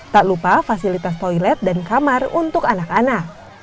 tak lupa fasilitas toilet dan kamar untuk anak anak